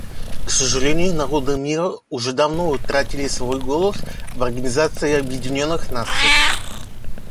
К сожалению, народы мира уже давно утратили свой голос в Организации Объединенных Наций.